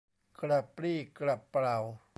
กระปรี้กระเปร่า